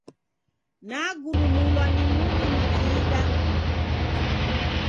Nagurumulwa ni mudi nikiida.